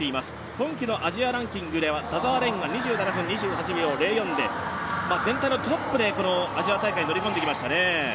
今季のアジアランキングでは田澤廉が全体のトップでアジア大会に乗り込んできましたね。